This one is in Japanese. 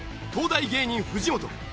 東大芸人藤本。